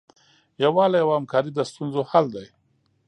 یووالی او همکاري د ستونزو حل دی.